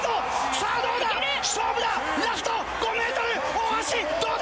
さあ、どうだ！